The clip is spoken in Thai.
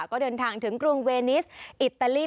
ก็เดินทางถึงกรุงเวนิสอิตาลี